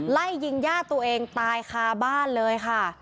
ไล่ยิงญาติตัวเองตายคาบ้านเลยค่ะ